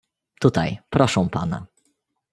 "„Tutaj, proszą pana."